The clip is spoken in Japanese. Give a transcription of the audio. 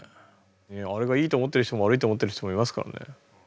あれがいいと思ってる人も悪いと思ってる人もいますからね。